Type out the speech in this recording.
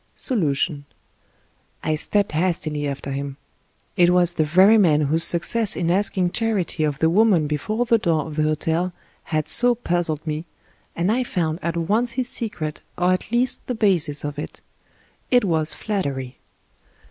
SOLUTION I STEPPED hastily after him ; it was the very man whose success in asking charity of the woman before the door of the hotel had so puzzled me, and I found at once his secret, or at least the basis of it : it was flattery.